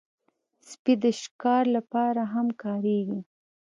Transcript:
سپي د شکار لپاره هم کارېږي.